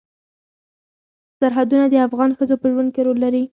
سرحدونه د افغان ښځو په ژوند کې رول لري.